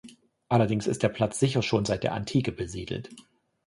Allerdings ist der Platz sicher schon seit der Antike besiedelt.